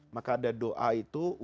maka ada doa itu